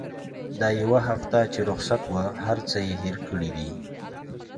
دا يوه هفته چې رخصت وه هرڅه يې هېر کړي دي.